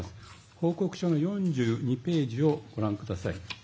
報告書の４２ページをご覧ください。